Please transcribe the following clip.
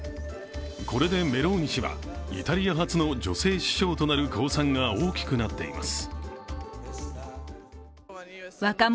これでメローニ氏はイタリア初の女性首相となる公算が大きくなっています。